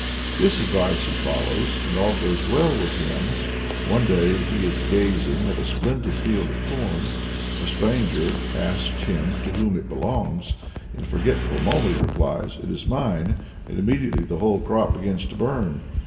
This advice he follows, and all goes well with him. One day, as he is gazing at a splendid field of corn, a stranger asks him to whom it belongs. In a forgetful moment he replies, "It is mine," and immediately the whole crop begins to burn.